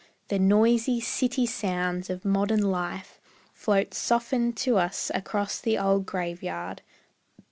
The noisy city sounds of modern life Float softened to us across the old graveyard.